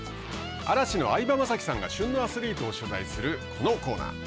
嵐の相葉雅紀さんが旬のアスリートを取材するこのコーナー。